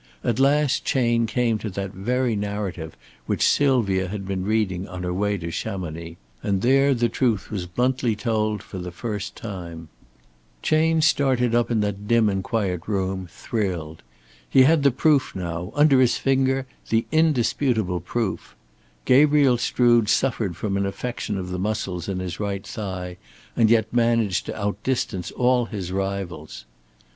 At last Chayne came to that very narrative which Sylvia had been reading on her way to Chamonix and there the truth was bluntly told for the first time. Chayne started up in that dim and quiet room, thrilled. He had the proof now, under his finger the indisputable proof. Gabriel Strood suffered from an affection of the muscles in his right thigh, and yet managed to out distance all his rivals.